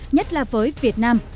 nhất là với việt nam